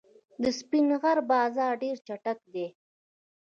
د سپین غر بازان ډېر چټک دي.